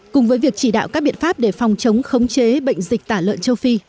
cùng với việc chỉ đạo các biện pháp để phòng chống khống chế bệnh dịch tả lợn châu phi